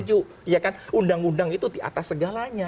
undang undang itu di atas segalanya